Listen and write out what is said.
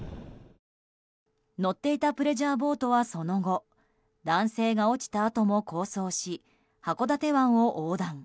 乗っていたプレジャーボートはその後男性が落ちたあとも航走し函館湾を横断。